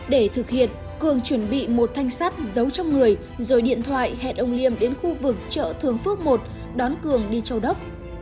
để thực hiện cường chuẩn bị một thanh sắt giấu trong người rồi điện thoại hẹn ông liêm đến khu vực chợ thường phước một đón cường đi châu đốc